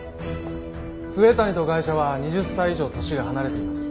末谷とガイシャは２０歳以上年が離れています。